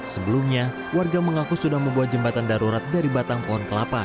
sebelumnya warga mengaku sudah membuat jembatan darurat dari batang pohon kelapa